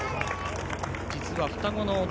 実は双子の弟昂